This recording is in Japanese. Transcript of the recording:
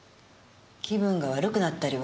気分が悪くなったりは？